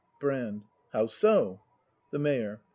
Brand. How so ? The Mayor.